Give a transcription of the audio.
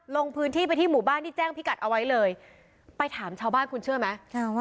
ลงพื้นที่ไปที่หมู่บ้านที่แจ้งพิกัดเอาไว้เลยไปถามชาวบ้านคุณเชื่อไหม